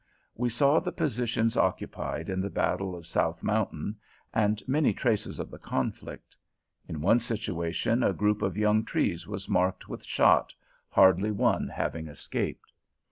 We saw the positions occupied in the battle of South Mountain, and many traces of the conflict. In one situation a group of young trees was marked with shot, hardly one having escaped.